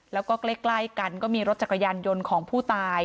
แล้วก็ใกล้กันก็มีรถจักรยานยนต์ของผู้ตาย